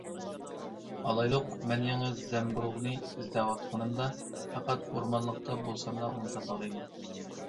ئالايلۇق، مەن يېڭى زەمبۇرۇغنى ئىزدەۋاتقىنىمدا، پەقەت ئورمانلىقتا بولساملا ئۇنى تاپالايمەن.